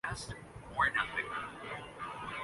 جسے قارئین کے لیے صفحہ کی زیبائی کے ساتھ پیش کیا جارہاہے